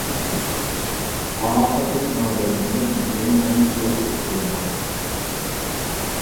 ئاخىردا ساڭا دەيدىغىنىم، مېنى ئەمدى يالغۇز قويما.